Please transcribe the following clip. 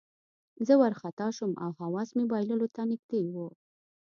زه وارخطا شوم او حواس مې بایللو ته نږدې وو